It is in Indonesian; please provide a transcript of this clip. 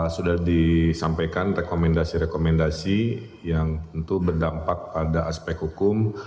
sudah disampaikan rekomendasi rekomendasi yang tentu berdampak pada aspek hukum